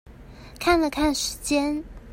看了看時間